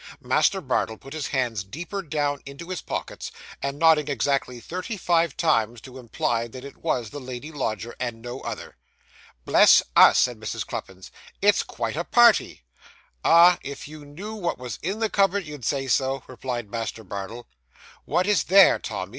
Master Bardell put his hands deeper down into his pockets, and nodded exactly thirty five times, to imply that it was the lady lodger, and no other. 'Bless us!' said Mrs. Cluppins. 'It's quite a party!' 'Ah, if you knew what was in the cupboard, you'd say so,' replied Master Bardell. 'What is there, Tommy?